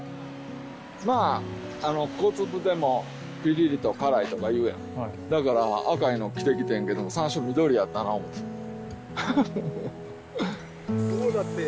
まぁあの小粒でもピリリと辛いとか言うやんだから赤いの着てきてんけども山椒緑やったな思てどうだって？